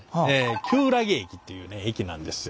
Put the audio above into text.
厳木駅っていうね駅なんですよ。